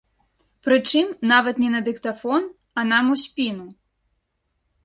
Прычым, нават не на дыктафон, а нам у спіну.